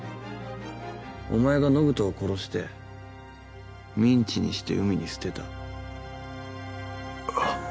お前が延人を殺してミンチにして海に捨てた。